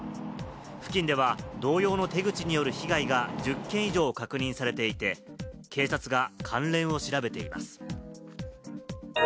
付近では同様の手口による被害が１０件以上確認されていて、警察が関連を調べています。